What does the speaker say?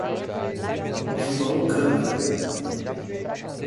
João Câmara